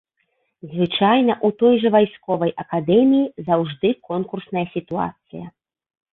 Звычайна, у той жа вайсковай акадэміі заўжды конкурсная сітуацыя.